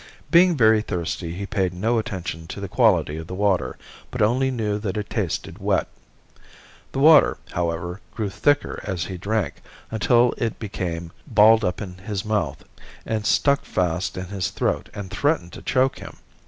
Being very thirsty he paid no attention to the quality of the water, but only knew that it tasted wet. The water, however, grew thicker as he drank until it became balled up in his mouth, and stuck fast in his throat and threatened to choke him.